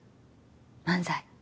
漫才。